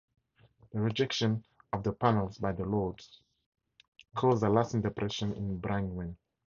The rejection of the Panels by the Lords caused a lasting depression in Brangwyn.